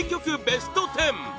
ベスト１０